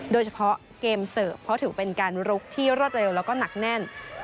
โดยเฉพาะเกมเสิร์ฟเพราะถือเป็นการลุกที่รวดเร็วแล้วก็หนักแน่น